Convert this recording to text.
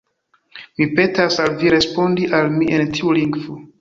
Mi petas al vi respondi al mi en tiu lingvo.